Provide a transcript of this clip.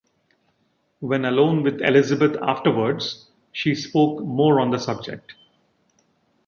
When alone with Elizabeth afterwards, she spoke more on the subject.